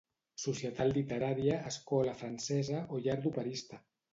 Societat literària, escola francesa o llar d'operista.